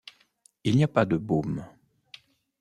Il n'y a pas de bôme.